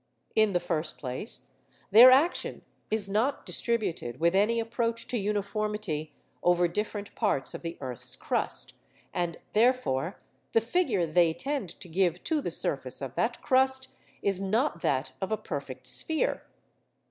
In the first place, their action is not distributed with any approach to uniformity over different parts of the earth's crust, and therefore the figure they tend to give to the surface of that crust is not that of a perfect sphere.